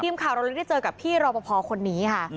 ทีมข่าวเราเลยได้เจอกับพี่รอปภคนนี้ค่ะ